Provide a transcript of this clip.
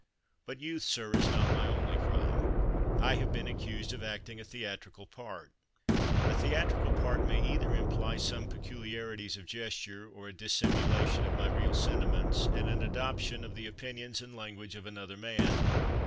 But youth, sir, is not my only crime. I have been accused of acting a theatrical part. A the atrical part may either imply some peculiarities of gesture, or a dissimulation of my real senti ments, and an adoption of the opinions and language of another man.